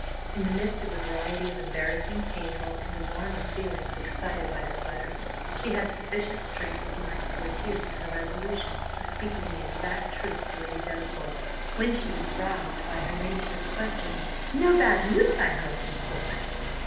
In the midst of the variety of embarrassing, painful, and alarming feelings excited by this letter, she had sufficient strength of mind to adhere to her resolution of speaking the exact truth to Lady Delacour. When she was roused by her ladyship's question, "No bad news, I hope, Miss Portman?"